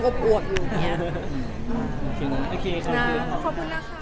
ขอบคุณครับ